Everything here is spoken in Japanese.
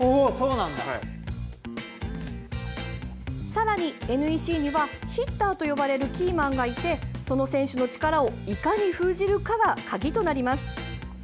さらにＮＥＣにはヒッターと呼ばれるキーマンがいてその選手の力をいかに封じるかが鍵となります。